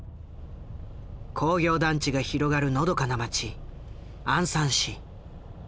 工業団地が広がるのどかな町